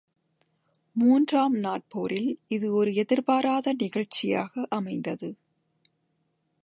மூன்றாம் நாட்போரில் இது ஒரு எதிர் பாராத நிகழ்ச்சியாக அமைந்தது.